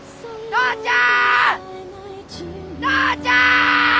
お父ちゃん！